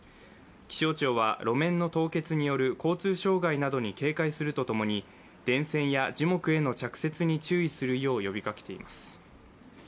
気象庁は、路面の凍結による交通障害などに警戒するとともに電線や樹木への着氷に注意するよう呼びかけています。